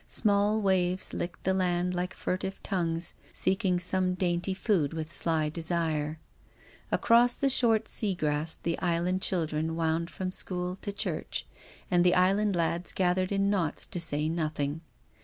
Small waves licked the land like furtive tongues seeking some dainty food with sly desire. Across the short sea grass the island children wound from school to church, and the island lads gathered in knots to say noth ing.